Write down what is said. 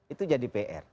itu jadi pr